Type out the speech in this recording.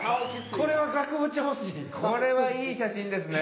これはいい写真ですね。